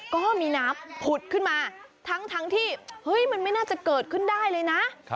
ก็มีน้ำผุดขึ้นมาทั้งที่เฮ้ยมันไม่น่าจะเกิดขึ้นได้เลยนะ